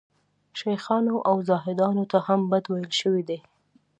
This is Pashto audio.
شیخانو او زاهدانو ته هم بد ویل شوي دي.